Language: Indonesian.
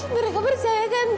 mereka percayakan kak